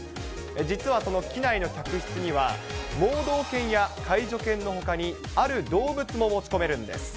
実はその機内の客室には、盲導犬や介助犬のほかに、ある動物も持ち込めるんです。